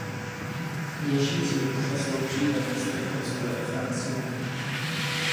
Kněží církve slouží ve městech po celé Francii.